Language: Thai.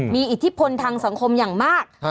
มีอิทธิพลทางสังคมอย่างมาก